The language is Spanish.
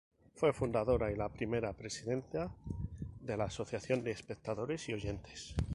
Fue la fundadora y la primera presidenta de la Asociación de Espectadores y Oyentes.